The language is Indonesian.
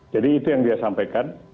jadi itu yang dia sampaikan